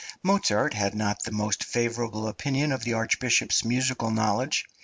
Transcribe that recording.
Mozart had not the most favourable opinion of the Archbishop's musical knowledge.